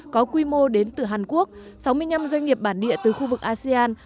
có quy mô đến từ hàn quốc sáu mươi năm doanh nghiệp bản địa từ khu vực asean